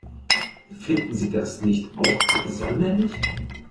Finden Sie das nicht auch absonderlich?